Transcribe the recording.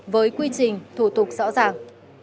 với quy trình thủ tục rõ ràng